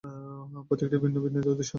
প্রত্যেকটি ভিন্ন ভিন্ন উদ্দেশ্যে।